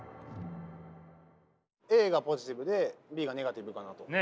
ＡがポジティブでＢがネガティブかなと。